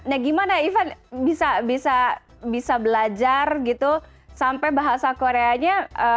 nah bagaimana ivan bisa belajar sampai bahasa korea nya